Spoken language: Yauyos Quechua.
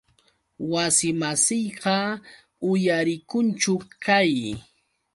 Wasimasiyqa uyarikunchu qay.